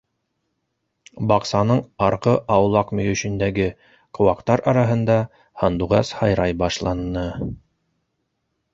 Баҡсаның арғы аулаҡ мөйөшөндәге ҡыуаҡтар араһында һандуғас һайрай башланы.